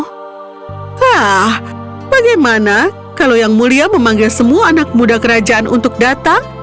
hah bagaimana kalau yang mulia memanggil semua anak muda kerajaan untuk datang